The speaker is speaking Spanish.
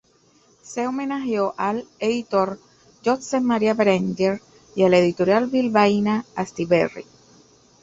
Se homenajeó al editor Josep María Berenguer y a la editorial bilbaína Astiberri.